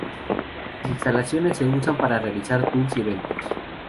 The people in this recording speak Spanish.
Sus instalaciones se usan para realizar tours y eventos.